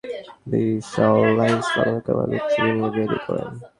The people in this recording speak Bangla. এখনো ছবি তোলার দরকার পড়লে বিশাল লেন্স লাগানো ক্যামেরাগুচ্ছ নিয়ে বেরিয়ে পড়েন।